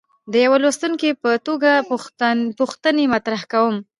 د یوه لوستونکي په توګه پوښتنې مطرح کوم.